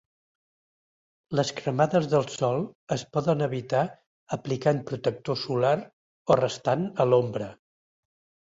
Les cremades del sol es poden evitar aplicant protector solar o restant a l'ombra.